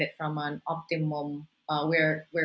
ini hanya bisa dilakukan